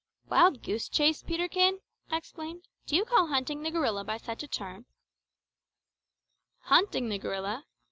"Wild goose chase, Peterkin!" I exclaimed. "Do you call hunting the gorilla by such a term?" "Hunting the gorilla?